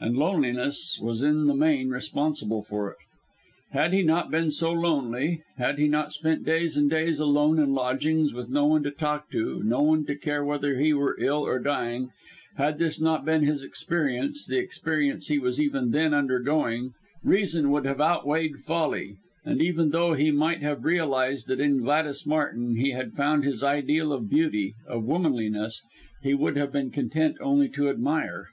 And loneliness was in the main responsible for it. Had he not been so lonely had he not spent days and days, alone in lodgings, with no one to talk to no one to care whether he were ill or dying; had this not been his experience the experience he was even then undergoing, reason would have outweighed folly, and even though he might have realized that in Gladys Martin he had found his ideal of beauty of womanliness, he would have been content only to admire.